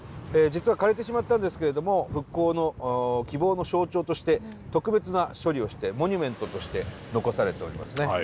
実は枯れてしまったんですけれども復興の希望の象徴として特別な処理をしてモニュメントとして残されておりますね。